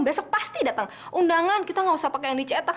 besok pasti dateng undangan kita gak usah pake yang dicetak